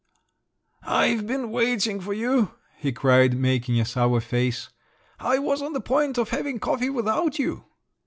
"I've been waiting for you!" he cried, making a sour face. "I was on the point of having coffee without you."